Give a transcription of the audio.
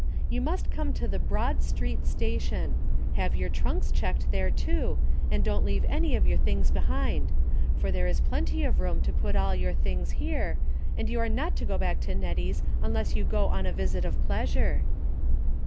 You must come to the Broad Street station — have your trunks checked there too, and don't leave any of your things behind, for there is plenty of room to put all your things here, and you are not to go back to Nettie's unless you go on a visit of pleasure."